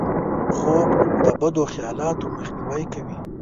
خوب د بدو خیالاتو مخنیوی کوي